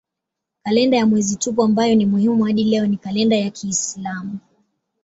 Kalenda ya mwezi tupu ambayo ni muhimu hadi leo ni kalenda ya kiislamu.